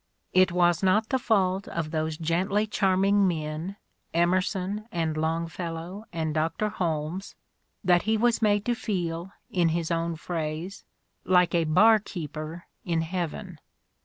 It was not the fault of those gently charming men, Emerson and Longfellow and Dr. Holmes, that he was made to feel, in his own phrase, "like a barkeeper in heaven."